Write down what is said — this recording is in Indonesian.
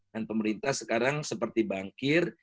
pemerintah sekarang seperti bangkir